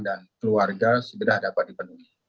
dan keluarga segera dapat dipenuhi